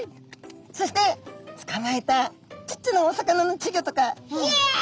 そしてつかまえたちっちゃなお魚のちぎょとかひゃっ！